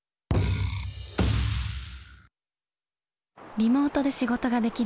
リモートで仕事ができる